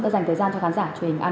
đã dành thời gian cho khán giả